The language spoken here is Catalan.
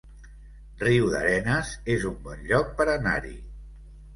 Riudarenes es un bon lloc per anar-hi